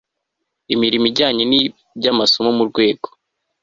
imirimo ijyanye n iby amasomo mu rwego